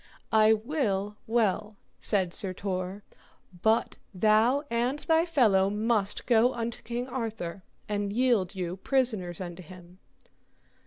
I will well, said Sir Tor, but thou and thy fellow must go unto King Arthur, and yield you prisoners unto him.